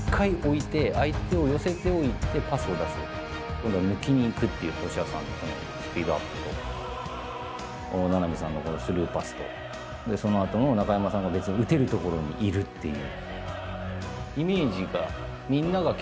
今度は抜きにいくっていう俊哉さんのスピードアップと名波さんのスルーパスとそのあとの中山さんも打てる所にいるっていう。